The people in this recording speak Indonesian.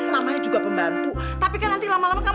namanya juga pembantu tapi kan nanti lama lama gak